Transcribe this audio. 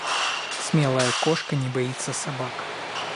Смелая кошка не боится собак.